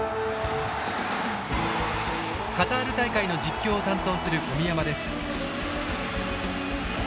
カタール大会の実況を担当する小宮山です。